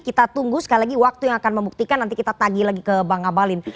kita tunggu sekali lagi waktu yang akan membuktikan nanti kita tagih lagi ke bang abalin